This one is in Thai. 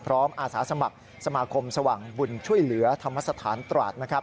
อาสาสมัครสมาคมสว่างบุญช่วยเหลือธรรมสถานตราดนะครับ